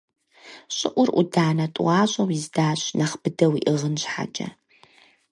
ЩӀыӀур Ӏуданэ тӀуащӀэкӀэ издащ нэхъ быдэу иӀыгъын щхьэкӀэ.